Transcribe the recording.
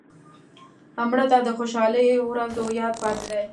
مړه ته د خوشحالۍ ورځو یاد پاتې دی